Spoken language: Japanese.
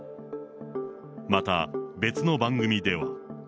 また別の番組では。